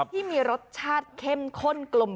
ที่มีรสชาติเข้มข้นกลม